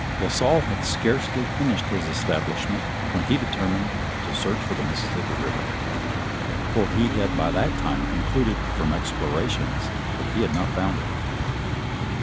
La Salle had scarcely finished this establishment, when he determined to search for the Mississippi River, for he had by that time concluded from explorations that he had not found it.